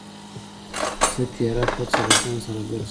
څه تېره پڅه له ځان سره گرځوه.